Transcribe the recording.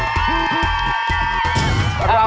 คุณแคลรอนครับ